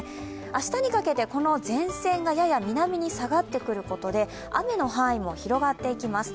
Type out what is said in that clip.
明日にかけて、この前線がやや南に下がってくることで雨の範囲も広がっていきます。